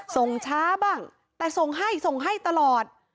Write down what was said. ส่งช้าบ้างแต่ส่งให้ส่งให้ตลอด